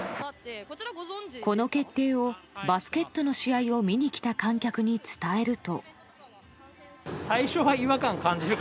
この決定をバスケットの試合を見に来た観客に伝えると。